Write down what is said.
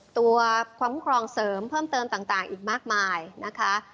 ตัวความคุ้มครองเสริมเพิ่มเติมต่างอีกมากมายนะคะ